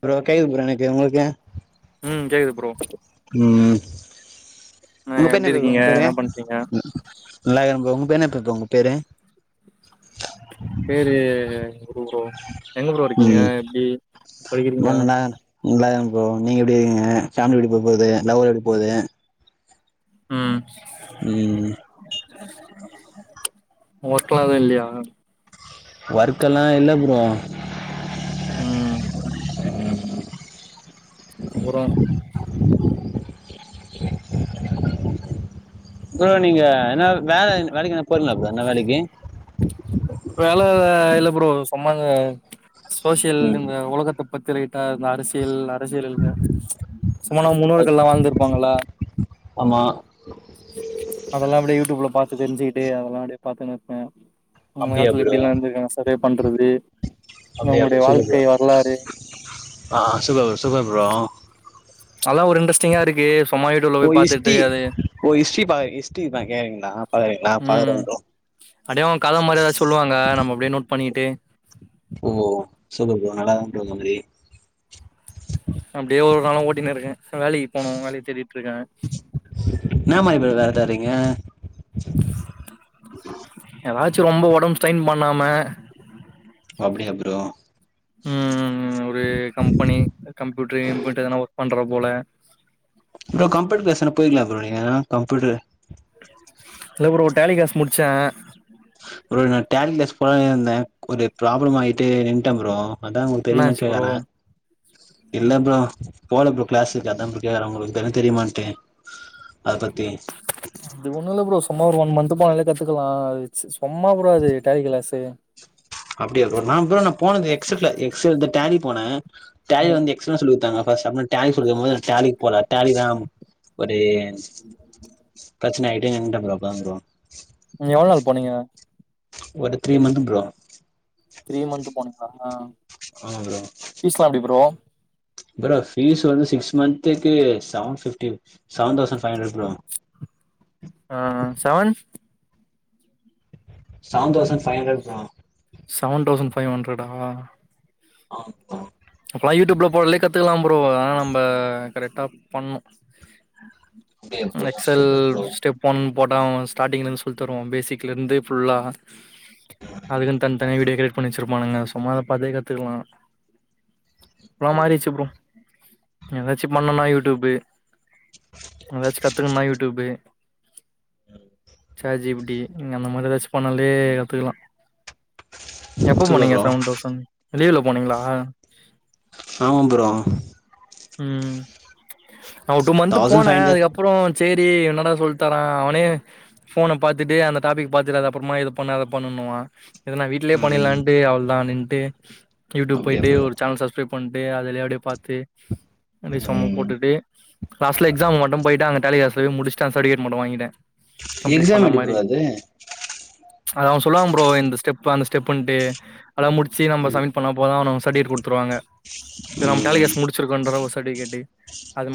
bro கேக்குது bro எனக் கு உங்களுக்கு உம் கேக்து ப்ரோ உம் அ உங்க பேரு எப்டி என்னது ப்ரோ இருக்கீங்க உங்க பேரு என்ன பண்றீங்க நல்லா இருக்கே ப்ரோ வேனப்ப பா உங்க பேரு பேரு ஒஹ் ப்ரோ எங்க ப்ரோ இருக்கீங்க ம் எப்டி ப்ரோ படிக்கிறீங்களா நல்லா நல்லாருக்கே ப்ரோ நீங்க எப்டி இருக்கீங்க ஃபேமிலி எப்டி ப்ரோ போகுது லவ் எப்டி போகுது உஹ்ம் உம் ஓர்க்லாவே இல்லையா ஒர்க்கெல்லா இல்ல ப்ரோ உஹ்ம் உஹ அப்புறோ ப்ரோ நீங்க என்ன வேல வேலைக்கு நா போறீங்ளா ப்ரோ என்ன வேலைக்கு அப்றோ சும்மாத சோஷியல் ம் இந்த உலகத்துப் பத்துரே அ இந்த அரசியல் அரசியல்னு சும்மா நம் முன்னோர்கள்ல்லா வாழ்ந்திருப்பாங்கல ஆமா அதெல்லா அப்டியே யூடியூப்ல பாத்து தெரிஞ்சுட்டு அதெல்லா அப்டியே பாத்துனுர்ப்பே அந்த அப்டியா காலத்தில் ப்ரோ எப்டில்லா இருந்துர்க்காங்க சரி அப் பண்றது அப்டியா ப்ரோ அவங்களுடைய சூப்பர் ப்ரோ வாழ்க்கை வரலாறு ஆ சூப்பர் ப்ரோ ஸ் சூப்பர் ப்ரோ அதெல்லா ஒரு இன்ட்ரெஸ்டிங்கா இருக்கு ப மானிட்டர் ள்ள ஓ போய் பாத்துட்டு ஹிஸ்ட்ரி அது ஓ ஹிஸ்ட்ரி பா ஹிஸ்ட்ரி பா கேக்குறீங்களா பாக்குறீங்களா பாக்குறே ம் ப்ரோ அப்டே அவ்ங்க கத மார் ஏதாவ் சொல்லுவாங்க நம்ம அப்டியே நோட் பண்ணிட் ட்டு ஓ சூப்பர் ப்ரோ நல்லாதா ப்ரோ பண்றீங் அப்டியே ஒரு ஒரு நாளூ ஓட்டினுருக்கே இப்ப வேலைக்கு போணூ வேலைய தேடிட்ருக்கே ஏ எதாச்சு ரொம்ப ஒடம்ப் ஸ்டைன் பண்ணாம அப்படியா ப்ரோ ம் ம் ம் ஒரு கம்பெனி கம்ப்யூட்டர் இன்புட் எதனா ஒர்க் பண்ற போல ப்ரோ கம்ப்யூட்டர் கிளாஸ் என போயிருக்கீங்ளா ப்ரோ இங்கலா கம்ப்யூட்டரு டேலி காஸ் முடிச்சே ப்ரோ நான் டேலி கிளாஸ் போலானுர்ந்தே ஒரு ப்ராப்ளமாயிட்டு நின்டே ப்ரோ அதா உங்களுக்கு என்ன தெரியுமா ஆச்சு ப்ரோ கேக்றே இல்ல ப்ரோ போல ப்ரோ கிளாஸுக்கு அதா ப்ரோ கேக்ற உங்களுக்கு எதூ தெரியுமான்ட்டு அத பத்தி அது ஒன்னுல்ல ப்ரோ சும்மா ஒரு ஒன் மந்த் த்து போனாலே கத்துக்கலா சும்மா ப்ரோ அது டேலி கிளாஸு அப்டியா ப்ரோ நா ப்ரோ நா போனது எக்ஸட்ல எக்ஸல் இந்த டேலி போனே டேலி ம் வந்து எக்ஸல்ல சொல்லிக் குத்தாங்க ப செமட் தேங்க்ஸ் கொடுக்கும் போது டேலிக்கு போல டேலி தா ஒரு பிரச்சன ஆயிட்டு நின்னுட்ட ப்ரோ அப்பதா ப்ரோ நீங்க எவ்ளோ நாள் போனீங்க ஒரு three month bro three month போனீங்களா ஆமா ப்ரோ பீஸ்லாம் எப்டி ப்ரோ ப்ரோ பீஸ் வந்து சிக்ஸ் மந்த்துக்கு seven fifty seven thousand five hundred bro ஆஹ் seven seven thousand five hundred bro seven thousand five ஹண்ட்ரடா ஆஹ இப்பல்லா யூடியூப்ல போடறதுலே கத்துக்கலாம் ப்ரோ ஆனா நம்ப கரெக்டா பண்ணும் அப்டியா bro Excel super bro step one போட்டா ஸ்டார்டிங்ல இருந்து சொல்லி தருவோம் பேசிக்ல இருந்து ஃபுல்லா அதுக்குன்னு தனி தனி வீடியோ கிரேட் பண்ணிச்சிருப்பானுங்க சும்மா அத பாத்தே கத்துக்கலாம் இப்பல்லா மாறிச்சு ப்ரோ ஏதாச்சும் பண்ணும்னா யூ டுபே எதாச்சு கத்துக்கணுனா யூடியூப்பு சாட் ஜிபிடி நீங்க அந்த மாரி ஏதாச்சும் பண்ணாலே கத்துக்கலாம் எப்ப சூப்பர் போனீங்க ப்ரோ சவண்டோசன் லீவுல போனீங்ளா ஆமா ப்ரோ ம் நா ஒரு டூ மந்த்து தௌசண்ட் போனே ஃபைவ் ஹண்ட்ரட் அதுக்கப்றோ டேரி என்னடா சொல்டானா அவனே ஃபோன பாத்துட்டு அந்த டாபிக் பாத்துரு அத அப்றமா இது பண்ணு அத பண்ணுனுவா இத நா வீட்லேயே ம் பண்ணின்லான்டு அவ்ளோதா நின் டே யூட்டுப் அப்டியா பொய்ட்டு ப்ரோ ஒரு சேனல் சஸ்ப்ரே பண்டு அதுலயோடே பாத்து ரெண்டு செம்ம ம் போட்டுட்டு லாஸ்ட்ல எக்ஸாம் மட்டு பொயிட்டு அந்த டாலிகிளாஸ் த்து முடிச்டே சர்டிவிகேட் மட்டு வாங்கிட்டே கம்ப்ளீட் எக்ஸாம் எப்டி ஃப்ரோ அது அவங்க சொல்லுவாங்க ஃப்ரோ இந்த ஸ்டெப்பு அந்த ஸ்டெப்புன்ட்டு அத முடிச்சி நம்ப ம் சம்மிட் பண்ணா போது அவனுங்க சட்டுவிட் குடு துருவாங்க நம்ப டேலி கேஸ்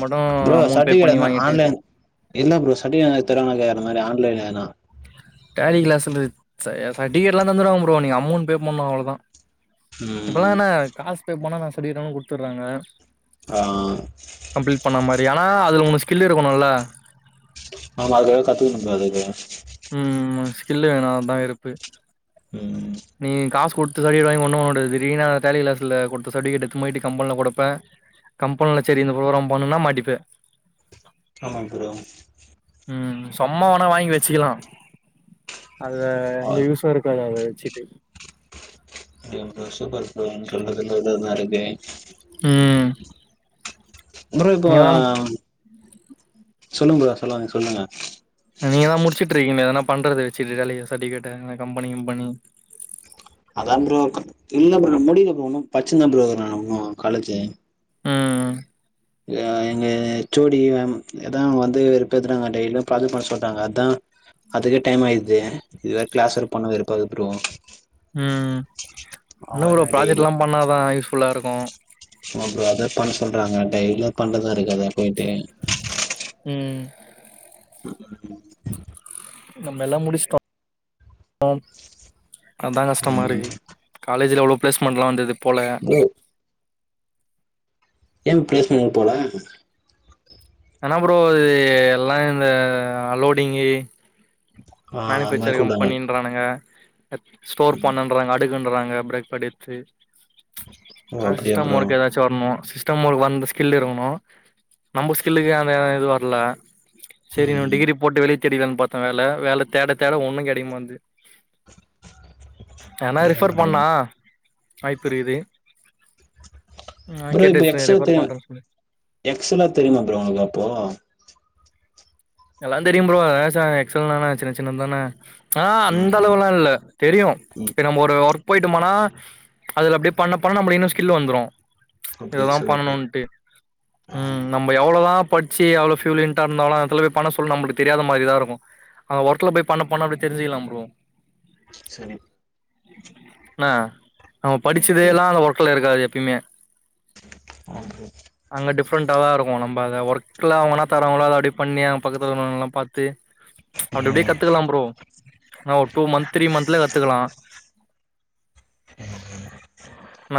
மட்டும் ப்ரோ அமௌண்ட் பே சர்டிவிகேட் பண்ணி அந்த வாங்கிட்டு ஆன்லைன் என்ன ஃப்ரோ சர்டிவிகேட் எனக் தராங்களா இல்லயா இந்த மாரி [unintelligible] டேலி கிளாஸுன்றது ச சட்விகேட்லா தந்துருவாங்க ப்ரோ நீங்க அமௌண்ட் பே பண்ணா அவ்ளோதா ம் இப்பதானே காஸ் பே பணகாஸ் சர்டிவிகேட் அங்க குடுத்தர்றாங்க ஆஹ் டே ஆனா அதுல ஒனக் ஸ்கில் இருக்குனுல நம்ப அதுல எது கத்துகனு இல்ல அது உம் மஸ் இல்ல நா தா இருப்பு ம் நீ காஸ் குடுத் த்து சர்டிவிகேட் வாங்கி ஒண்ணு ஒடு சரிங்களா டேலிகிளாஸ்ல குடுத்த சர்டிவிகேட்ட [unintelligible] கம்பன்ல குப்பே கம்பன்ல சரி இந்த ஃப்ரோகராம் பண்ணுன்னா மாட்டிப்பே ஆமா ப்ரோ ம் சம்மா வேணா வாங்கி வச்சிக்கலா அத இங்க யூஷா இருக்காது அது செரி பேசிட்டு அப்டியாங் ப்ரோ சுப்பர் ப்ரோ நீங்க சொல்றதுல ஒன்னு ஒன்னு அரைப்பே உம் அப்றோ இப்போ சொல்லுங்க ப்ரோ சொல்லவந்த சொல்லுங்க நீங்க தா முடிச்சிட்ருக்கீங்களே எதனா பண்றது வெச்சிட்டு வேலைய சர்டிவிகேட்டோ இந்தமாரி கம்பனி கிம்பனி அதா ப்ரோ இல்ல ப்ரோ முடில ப்ரோ இன்னு பச்சின்னு ப்ரோ நா இன்னு காலேஜு ம் ஏங்க ஹெச் ஒ டி மேம் அதா வந்து வெறுப்பேத்துறாங்க டெய்லியு ப்ராஜெட் பண்ண சொல்ராங்க அதா அதுக்கே டைம் ஆயிடுது இதுல கிளாஸ் எடுப்பாங்களா [unintelligible] உம் இன்னு ஒரு ப்ராஜெக்ட் டெய்லி எல்லா பண்ணாதா யூஸ்புள்ளா இருக்கு ஆமா ப்ரோ அதா பண்ண சொல்றாங்க டெலியு பண்ணி தா இருக்கே போயிட்டு உம் நம்ம எல்லா முடிச்சிட்டோ [unintelligible] அதா கஷ்டமா ம் இருக்கு காலேஜ்ல எவ்வளோ பிளேஸ்மென்ட் எல்லாம் வந்தது போலே ப்ரோ ஏ பிளேஸ்மெண்ட் போல ஆனா ப்ரோ அது எல்லா இந்த அலோடிங்கு ஆ அது மாரி மேனுபேக்சரி கூப்டாங்க கம்பனின்றானுங்க ஸ்டோர் பண்னுங்றாங்க அடுக்குன்றாங்க அப்படி [unintelligible] ஓ ஆனா அப்டியா சிஸ்டம் ப்ரோ வர்க்கு ஏதாச்சு வரணும் சிஸ்டம் ல வந்த ஸ்கில்லு இருக்கணு நம்ம ஸ்கில்லுக்கு அந்த இது வரல செரி ந ம் டிகிரி போட்டு வெளிய தெரிதானு பாத்தே வேல தேட தேட ஒண்ணு கெடைக்குமாட்ணுது யார்னா ரெஃபர் பண்ணா வாய்ப்பு இருக்குது [unintelligible] நா ப்ரோ கேட்டு இப்ப வச்சிருக்கே எக்ஸ் எல் ரெஃபர் தெரிய பண்றேன்னு சொல்லி எக்ஸ் எல்லா தெரியுமா ப்ரோ உங்களுக்கு அப்போ எல்லா தெரியும் ப்ரோ அதா எக் சல் ன சின்ன சின்னதானே ஆ அந்த ம் அளவுல்லா இல் தெரியு ம் இப்ப நம்ம ஒரு ஒர்க் போயட்டுமானா அதுல அப்படி பண்ண பண்ண நம் இன்னு ஸ்கில் வந்துரு அப்டி இததா சூப்பர் ப்ரோ பண்ணணும்ட்டு ஆ உம் நம்ம எவ்வளோதா படிச்சு அவ்வுளோ பிலுன்டா இருந்தோவல பண்ண சொல்ல நம்மளுக்கு தெரியாத மாதிரிதா இருக்கு அங்க ஒர்க்கல போய் பண்ண போன அப்படி தெரிஞ்சுக்கலாம் ப்ரோ சரி என்ன அவன் படிச்சதேல்லா அந்த ஒர்க்கல இருக்காது எப்பியுமே ஆ டிஃப்ரெண்டா தா இருக்கு நம்ப அதை ஒர்க்கில்ல அவங்கனா தரவங்களா அதை அப்படி பண்ணி பக்கத்தில நாங்களா பாத்து அப்படி இப்படியே ம் கத்துக்கலா ப்ரோ ஆ ஒரு டூ மந்த் த்ரீ மந்த்ல ஏ கத்துக்கலா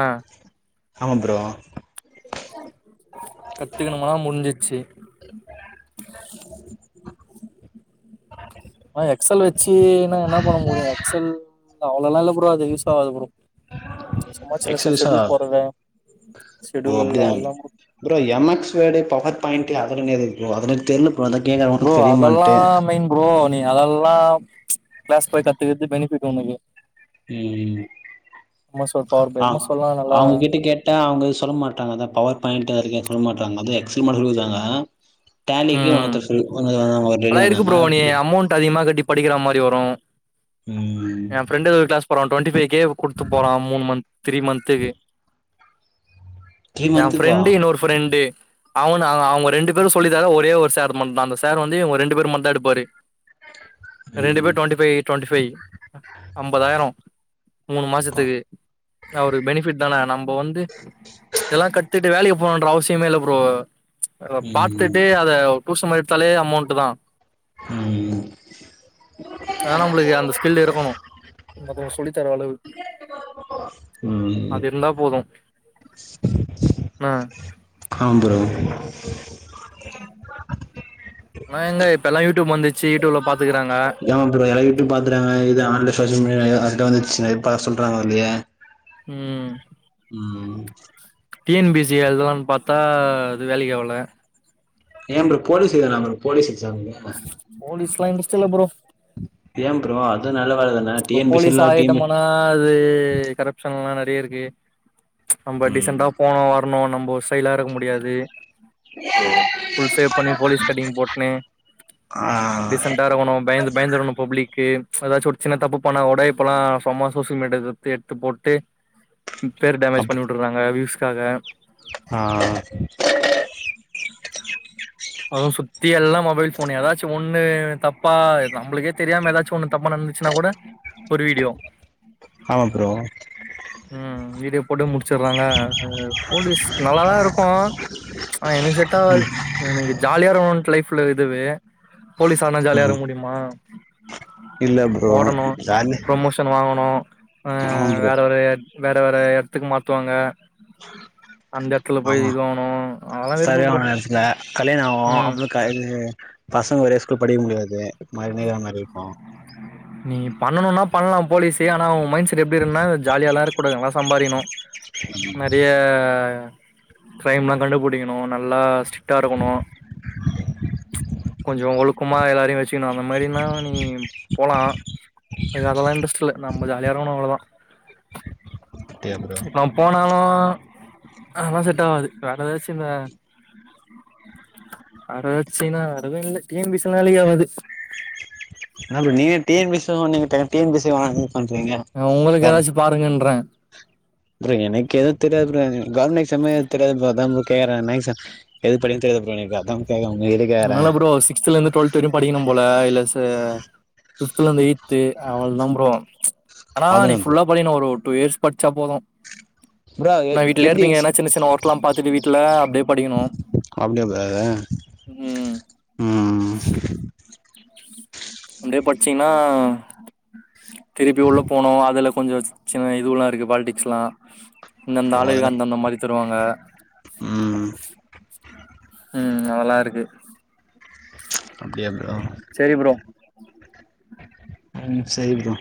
ஆ ஆமா ப்ரோ கத்துக்கணுமா முடிஞ்சிச்சு ஆ எக்ஸல் வ ச்சி னா என்ன பண்ண முடியு எக்சல் அவ்ளல்லா இல்ல ப்ரோ அது யூஸ் ஆகாது ப்ரோ ம்ச் எக்ஸ்கியூஸ்சா ஓ ஷெட்யூல் அப்படிதா அதெல்லா ப்ரோ எம் எக்ஸ் வேடு பவர் பாயிண்ட் அத பண்ணி அத விட்டுரோவோ [unintelligible] ப்ரோ அதெல்லா மெயின் ப்ரோ நீ அதெல்லா ம்ச் கிளாஸ் போய் கத்துருது பெனிபிட்டு உனக்கு உம் M S word power B I ஆ எம் எஸ் வேர்ட்லா நல்லா அவங்க கிட்ட கேட்ட அவங்க சொல்ல மாட்டாங்க அதா பவர் பாயிண்ட் அத சொல்ல மாட்டாங்க அது எக்ஸ்ல் குடுத்தாங்க டேலிக்கு ம் மாத்த சொல்லி [unintelligible] ஆல்ரெடி அதெல்லா இருக்கு வந்தாங்ளா ப்ரோ நீ அமௌண்ட் அதிகமா கட்டி படிக்கிற மாரி வரு உம் போரோ டுவெண்ட்டி பைவ் கே குடுத்து போற மூணு மந்த் த்ரீ மந்துகு எ ஃபரெண்டு் இன்னொரு ஃரெண்டு அவனு அவங்க ரெண்டு பேரு சொல்லி ஒரே ஒரு சார் மட்டும்தா அந்த சேர் வந்து ரெண்டு பேர் மட்டு தா எடுப்பாரு ரெண்டு பேர் டுவெண்ட்டி பைவ் ரவென்ட்டி பைவ் ஐம்பதாயிரோ மூணு மாசத்துக்கு அவரு பெனிபிட் தானே நம்ம வந்து இதல்லாம் கத்துட்டு வேல போணும்ற அவசியமேல ப்ரோ பா யிட்டு அத [unintelligible] சம எடுத்தாலே அமௌண்ட் தா ஆனா உங்களுக்கு அந்த ஸ்கில் இருக்கணு மத்த அவங்க சொல்லி தர அளவுக்கு அது இருந்தா போதும் ஆ ஆம் ப்ரோ ஆ எங்க இப்பெல்லா யூடியூப் வந்துச்சு யூடியூப்ல பா ஆமா ப்ரோ என்னக்கு எப்பிடி பாக்குராங்க எது ஆன் லைன்ல சேர்ச் பண்ணி எது வந்துச்சு இப்ப சொல்றாங்க இல்லையே ம் உம் டி என் பி சி எழுதலான் பாத்தா அது வேலைக்காவுல ஏம் ப்ரோ போலீஸ் எதலாம்ப்ரோ போலீஸூ போலீஸ் லா இன்ட்ரஸ்ட் இல்ல ப்ரோ ஏ ப்ரோ அதுனால இப்ப போலீஸ் ஆயிட்டமுனா அது கரப்ஷன்லா ந றைய இருக்கு நம்ப ம் டீசண்டா போனு வ ரனு நம்ப ஸ்டைலா இருக்க முடியாது, ஃபுல் சேவ் பண்ணி போலீஸ் கட்டிங் போட்ணு ஆ டீசண்டா இருக்கணு பயந்து பயந்து இருக்னு பப்ளிக்கு எதாச்சு ஒரு சின்ன தப்பு பண்ணா கூட இப்பல்லா சும்மா சோசியல் மீடியால எடுத்து எடுத்து போட்டு பேர டேமேஜ் அப் பண்ணி வுட்டுறாங்க வியுஸ் க்காக ஆ பைல் ஃபோன் எதாச்சு ஒண்ணு தப்பா நம்ளுக்கே தெரியாம எதாச்சு ஒண்ணு தப்பா நடந்து ச்சுனா கூட ஒரு வீடியோ ஆமா ப்ரோ ம், வீடியோ போட்டு முடிச்சிட்றாங்க அ போலீஸ் நல்லாதாருக்கு ஆனா எனக்கு செட்டாவாது எனக்கு ஜாலியாருக்கனுட்டு லைஃப் ப்ல இதுவே போலீஸ் ஆனா ம் ஜாலியாருக்க முடியுமா இல்ல ப்ரோ ஓடணு ஜாலி ப்ரமோஷன் வாங்கணு ஆ ஆமா ப்ரோ வேற ஒரே வேற வேற எட்த்துக்கு மாத்துவாங்க அந்த எடத்துல போய் ஆமா இதுவாகணு அதெல்லா வெறுப்பு ப்ரோ சரியானவு எர்சுல கல்யாண ஆவு ம் அப்றொ க இது பசங்க ஒரே ஸ்கூல் படிக்க முடியாது மாரினேகுற மாரி இர்க்கோ நீ பண்ணனுனா பண்லா போலீஸே ஆனா உ மைண்ஸ் துடு எப்டிருன்னா ஜாலியால்லா இருக் கூடாது நல்லா சம்பாரின் நோ நறையா க்ரைம்லா கண்டுபுடிக்கணு நல்லா சிட்டா இருக்கொணு கொஞ்சொ ஒழுக்கமா எல்லார்யு வெச் கினு அந்த மாரின்னா நீம் போலா எதாக்குல்லா இன்ட்ரஸ்ட் இல்ல நம்ப ஜாலியாருகுனு அவ்ளதா அப்டியா ப்ரோ நா போன ஆ அதெல்லா செட் ஆவது வேற ஏதாச்சு இந்த வேற எதாச்சின்னா அதுவு இல்ல டி என் பி சில்லா வேலைக்கி ஆவாது என்ன ப்ரோ நீங்களே டி என் பி சிதா சொன்னீங்க டே டி என் பி சி வேணாங்கிறீங்க உங்களுக்கு ஏதாச்சு பாருங்கன்றே அப்புறோ எனக்கேது தெரியது ப்ரோ [unintelligible] தெரியாது ப்ரோ அதா ப்ரோ [unintelligible] எது படிக்க தெரியாது ப்ரோ எனக்கு அதா கேக்குறே உங்ககிட்ட கேக்குறே நால்லா ப்ரோ சிகஸ்த்ல இருந்து டுவெல்த் வரைக்கு படிக்கனு போல இல்ல ஸ் த ஃபிஃப்த்ல இருந்து எயித்து அவ்வளவுதா ப்ரோ ஆனா நீ அவ்ளோதானா ப்ரோ ஃபுல்லா படிக்கனு ஒரு டூ இயர்ஸ் படிச்சா போதும் ப்ரோ நா வீட்லயே எப்டி இருப்பீங்க எக்ஸ் ஏன்னா சின்ன சின்ன ஒர்க் எல்லா பாத்துட்டு வீட்டுல அப்படியே படிக்கணு அப்டியா ப்ரோ அது ம் ம் அப்டியே படிச்சீங்ன்னா திருப்பி உள்ள போனோ அதுல கொஞ்ச சின்ன இதுவலா இருக்கு பாலிடிக்ஸ்லா இந்தந்த ஓ ஆளுக்கு அதுல அந்த அந்த மாரி தருவாங்க ம் உம் அதெல்லா இருக்கு அப்டியா சரி ப்ரோ உம் சரிப்பா